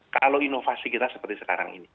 kalau inovasi kita seperti sekarang ini